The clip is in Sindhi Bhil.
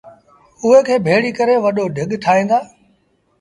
اُئي کي ڀيڙيٚ ڪري وڏو ڍڳ ٺائيٚݩ دآ۔